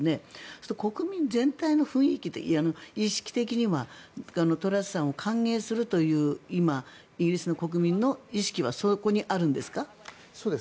そうすると国民全体の雰囲気意識的にもトラスさんを歓迎するという今、イギリスの国民の意識はそこにあるんですか。